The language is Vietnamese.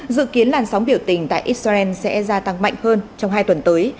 dự kiến làn sóng biểu tình tại israel sẽ gia tăng mạnh hơn trong hai tuần tới